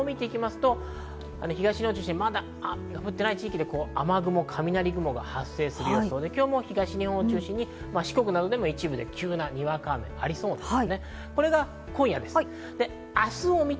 予想を見ると東日本を中心にまだ雨が降っていない地域で雨雲、雷雲が発生する予想で、東日本を中心に四国などでも一部急なにわか雨がありそうです。